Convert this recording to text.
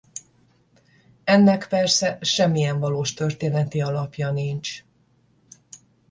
Ennek persze semmilyen valós történeti alapja nincs.